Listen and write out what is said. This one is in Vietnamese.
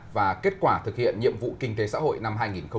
và kết quả thực hiện nhiệm vụ kinh tế xã hội năm hai nghìn một mươi chín